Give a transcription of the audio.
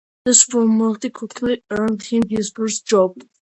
This formality quickly earned him his first job.